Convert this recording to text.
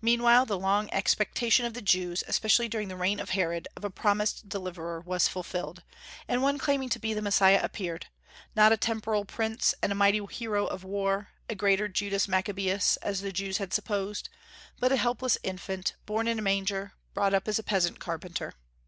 Meanwhile the long expectation of the Jews, especially during the reign of Herod, of a promised Deliverer, was fulfilled, and one claiming to be the Messiah appeared, not a temporal prince and mighty hero of war, a greater Judas Maccabaeus, as the Jews had supposed, but a helpless infant, born in a manger, and brought up as a peasant carpenter.